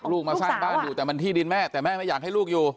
ลูกมาสร้างบ้านอยู่แต่มันที่ดินแม่แต่แม่ไม่อยากให้ลูกอยู่